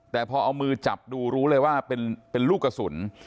แต่พอเอามือจับดูรู้เลยว่าเป็นลูกกระสุน